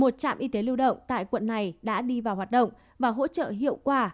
một trạm y tế lưu động tại quận này đã đi vào hoạt động và hỗ trợ hiệu quả